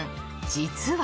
実は。